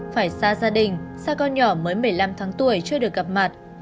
phải xa gia đình xa con nhỏ mới một mươi năm tháng tuổi chưa được gặp mặt